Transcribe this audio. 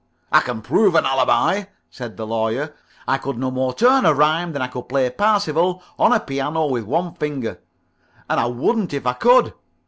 "I can prove an alibi," said the Lawyer. "I could no more turn a rhyme than I could play 'Parsifal' on a piano with one finger, and I wouldn't if I could.